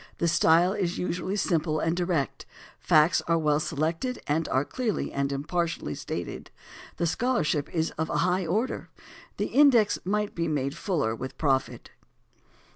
The style is usually simple and direct; facts are well selected and are clearly and impartially stated; the scholarship is of a high order. The index might be made fuller with profit.